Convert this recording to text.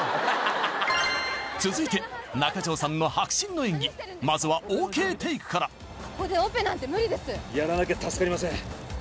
続いて中条さんの迫真の演技まずはＯＫテイクからここでオペなんて無理ですやらなきゃ助かりません